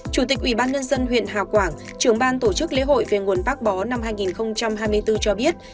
chủ tịch ủy ban nhân dân huyện hào quảng trưởng ban tổ chức lễ hội về nguồn bác bó năm hai nghìn hai mươi bốn cho biết